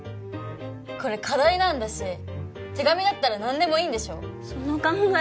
これ課題なんだし手紙だったら何でもいいんでしょその考え